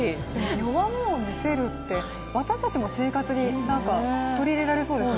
弱みを見せるって、私たちも生活に取り入れられそうですよね。